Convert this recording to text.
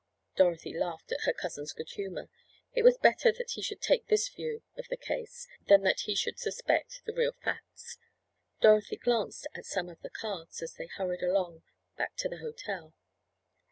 Dorothy laughed at her cousin's good humor. It was better that he should take this view of the case than that he should suspect the real facts. Dorothy glanced at some of the cards as they hurried along back to the hotel.